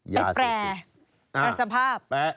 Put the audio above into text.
ยาเสพติก